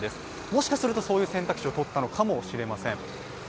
もしかすると、そういう選択肢をとったのかもしれません。